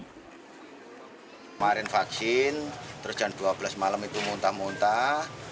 kemarin vaksin jam dua belas malam muntah muntah